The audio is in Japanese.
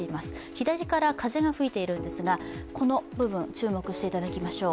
左から風が吹いているんですがこの部分、注目していただきましょう。